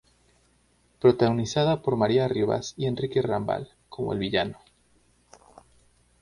Protagonizada por María Rivas y Enrique Rambal como el villano.